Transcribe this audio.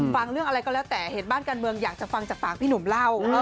ฟังเรื่องอะไรก็แล้วแต่เห็นบ้านการเมืองอยากจะฟังจากปากพี่หนุ่มเล่า